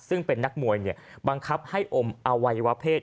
ซึ่งเป็นนักมวยบังคับให้อมอวัยวะเพศ